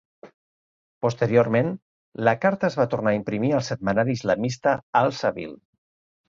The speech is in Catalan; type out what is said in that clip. Posteriorment, la carta es va tornar a imprimir al setmanari islamista "Al Sabil".